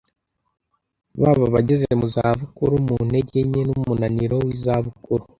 baba abageze mu zabukuru mu ntege nke n’umunaniro w’izabukuru